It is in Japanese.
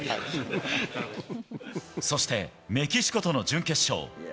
そしてメキシコとの準決勝。